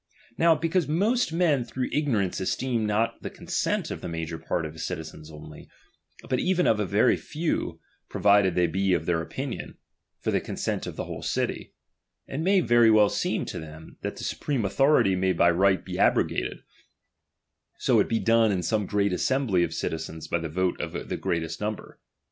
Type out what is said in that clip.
Now, because most :K3ien through ignorance esteem not the consent of "the major part of citizens only, but even of a very :ffew, provided they be of their opinion, for the consent of the whole city ; it may very well seem "*o them, that the supreme authority may by right Tie abrogated, so it be done in some great assembly of citizens by the votes of the greater number.